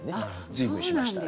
随分しましたね。